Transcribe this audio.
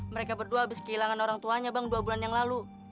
mereka berdua habis kehilangan orang tuanya bang dua bulan yang lalu